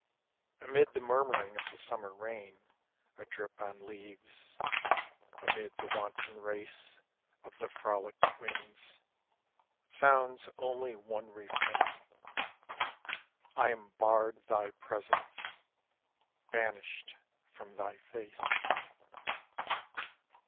Amid the murmuring of the summer rain Adrip on leaves, amid the wanton race Of the frolic winds, sounds only one refrain, ' I am barred thy presence, banished from thy face.'